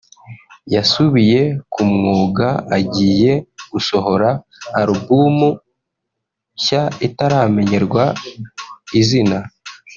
yasubiye ku mwuga agiye gusohora Alubum nshya itaramenyerwa izina